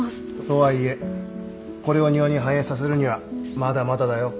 とはいえこれを庭に反映させるにはまだまだだよ。